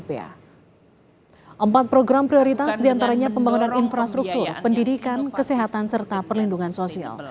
empat program prioritas diantaranya pembangunan infrastruktur pendidikan kesehatan serta perlindungan sosial